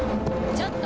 ちょっと！